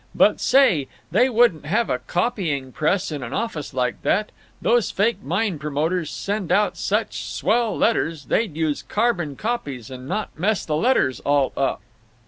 But, say, they wouldn't have a copying press in an office like that; those fake mine promoters send out such swell letters; they'd use carbon copies and not muss the letters all up."